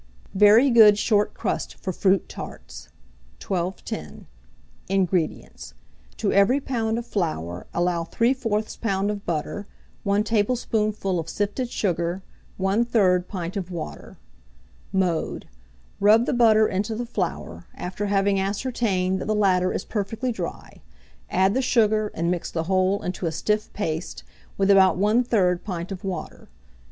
VERY GOOD SHORT CRUST FOR FRUIT TARTS. 1210. INGREDIENTS. To every lb. of flour allow 3/4 lb. of butter, 1 tablespoonful of sifted sugar, 1/3 pint of water. Mode. Rub the butter into the flour, after having ascertained that the latter is perfectly dry; add the sugar, and mix the whole into a stiff paste, with about 1/3 pint of water.